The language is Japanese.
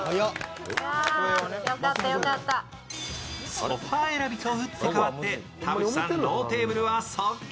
ソファー選びと打って変わって田渕さん、ローテーブルは即決。